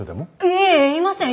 いいえいません。